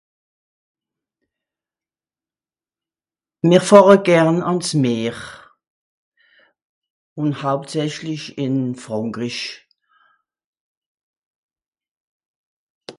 mer fàhre gern àn s Meer ùn hauptsächlich in Frankrich